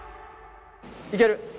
いける。